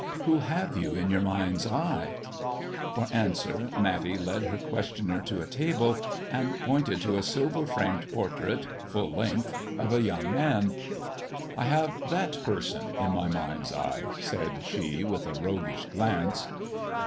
"Who have you in your mind's eye?" For answer, Matty led her questioner to a table, and 170 MISS JONATHAN pointed to a silver framed portrait, full length, of a young man. '' I have that person in my mind's eye," said she, with a roguish glance.